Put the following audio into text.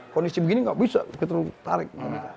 kondisi begini nggak bisa kita tarik